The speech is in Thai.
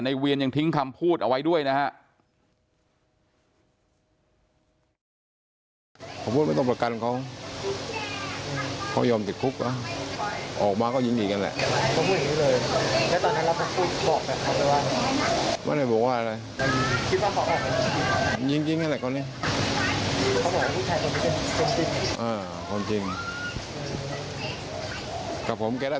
เวียนยังทิ้งคำพูดเอาไว้ด้วยนะฮะ